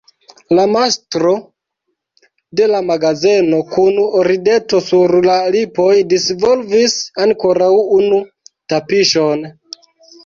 La mastro de la magazeno kun rideto sur la lipoj disvolvis ankoraŭ unu tapiŝon.